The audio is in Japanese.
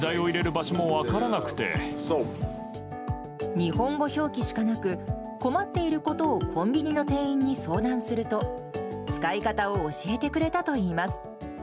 日本語表記しかなく困っていることをコンビニの店員に相談すると使い方を教えてくれたといいます。